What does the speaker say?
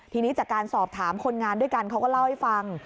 ทีนี้จากการสอบถามคนงานด้วยกันเขาก็เล่าให้ฟัง